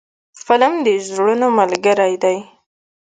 فلم د زړونو ملګری دی